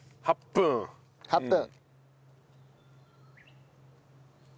８分８分。